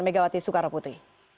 megawati soekarno putri